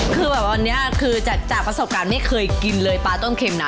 คือแบบอันนี้คือจากประสบการณ์ไม่เคยกินเลยปลาต้มเข็มนะ